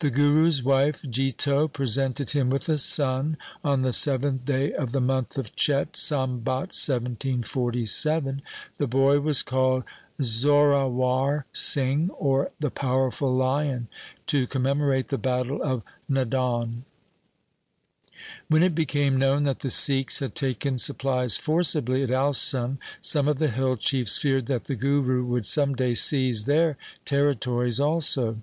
The Guru's wife, Jito, presented him with a son on the seventh day of the month of Chet, Sambat 1747. The boy was called Zorawar Singh, or the powerful lion, to commemorate the battle of Nadaun. 1 When it became known that the Sikhs had taken supplies forcibly at Alsun, some of the hill chiefs feared that the Guru would some day seize their territories also.